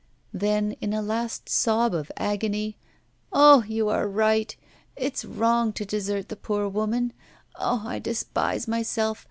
Then, in a last sob of agony: 'Ah, you are right; it's wrong to desert the poor woman. Ah! I despise myself.